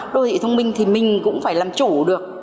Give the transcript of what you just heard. đô thị thông minh thì mình cũng phải làm chủ được